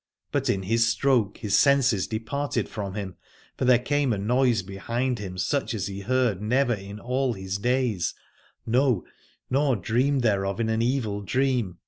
But in his stroke his senses departed from him, for there came a noise behind him such as he heard never in all his days, no, nor dreamed thereof in an evil dream.